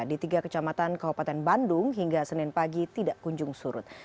di tiga kecamatan kabupaten bandung hingga senin pagi tidak kunjung surut